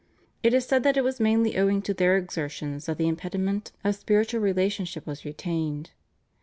It is said that it was mainly owing to their exertions that the impediment of spiritual relationship was retained.